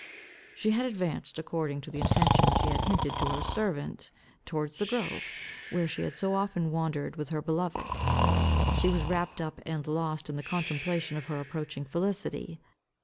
She had advanced, according to the intention she had hinted to her servant, towards the grove, where she had so often wandered with her beloved. She was wrapped up and lost in the contemplation of her approaching felicity.